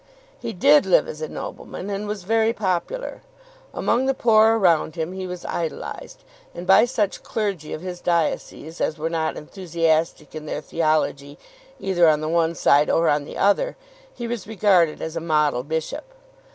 He did live as a nobleman, and was very popular. Among the poor around him he was idolized, and by such clergy of his diocese as were not enthusiastic in their theology either on the one side or on the other, he was regarded as a model bishop.